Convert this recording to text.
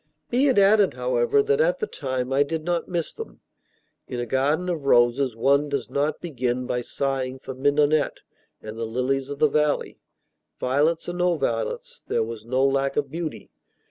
Be it added, however, that at the time I did not miss them. In a garden of roses one does not begin by sighing for mignonette and lilies of the valley. Violets or no violets, there was no lack of beauty.